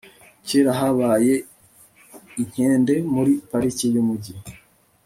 kera habaye inkende muri pariki yumujyi